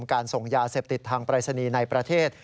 การส่งยาเสพติดทางปรายศนีย์ในประเทศ